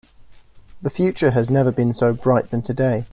The future has never been so bright than today.